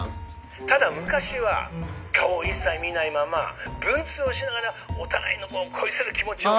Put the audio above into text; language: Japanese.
ただ昔は顔を一切見ないまま文通をしながらお互いの恋する気持ちを深め。